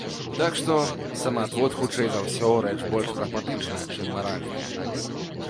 Так што самаадвод, хутчэй за ўсё, рэч больш прагматычная, чым маральная.